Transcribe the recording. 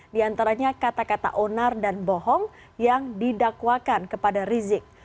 di antaranya kata kata onar dan bohong yang didakwakan kepada rizik